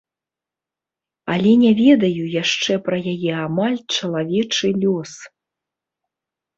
Але не ведаю яшчэ пра яе амаль чалавечы лёс.